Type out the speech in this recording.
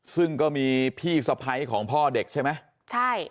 ซึ่งก็มีพี่สภัยของพ่อเด็กใช่ไหม